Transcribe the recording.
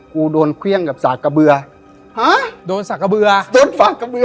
กูโดนเครื่องกับศาสตร์กระเบือฮะโดนศาสตร์กระเบือโดนศาสตร์กระเบือ